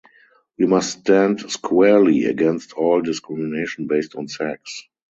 We must stand squarely against all discrimination based on sex.